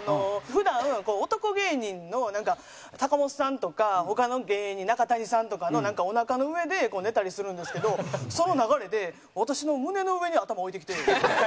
普段男芸人のなんか阪本さんとか他の芸人中谷さんとかのおなかの上で寝たりするんですけどその流れで私の胸の上に頭置いてきて。